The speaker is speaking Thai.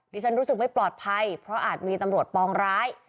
ฉันรู้สึกไม่ปลอดภัยเพราะอาจมีตำรวจปองร้าย